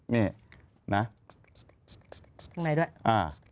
มาใช้อีกที